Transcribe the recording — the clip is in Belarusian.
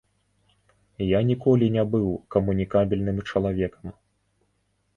Я ніколі не быў камунікабельным чалавекам.